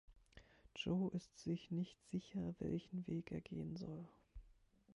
Joe ist sich nicht sicher, welchen Weg er gehen soll.